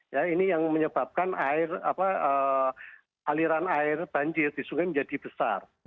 ya ini yang menyebabkan aliran air banjir di sungai menjadi besar